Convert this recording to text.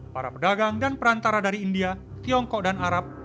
para pedagang dan perantara dari india tiongkok dan arab